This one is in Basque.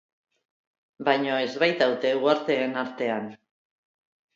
Baino ez baitaude uharteen artean.